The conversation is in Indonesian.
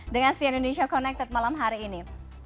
dengan si indonesia connected malam hari ini